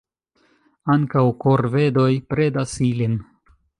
Ankaŭ korvedoj predas ilin.